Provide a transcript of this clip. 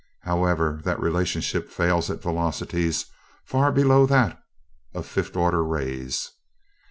However, that relationship fails at velocities far below that of fifth order rays.